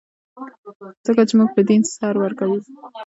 ځکه چې موږ په دین سر ورکوو.